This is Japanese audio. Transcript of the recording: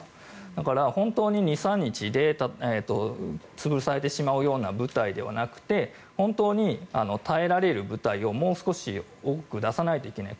だから、本当に２３日で潰されてしまうような部隊ではなくて本当に耐えられる部隊をもう少し多く出さないといけない。